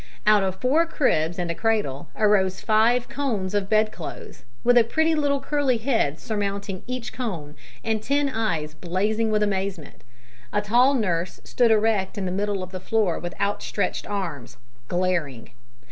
Out of four cribs and a cradle arose five cones of bed clothes, with a pretty little curly head surmounting each cone, and ten eyes blazing with amazement. A tall nurse stood erect in the middle of the floor with outstretched arms, glaring.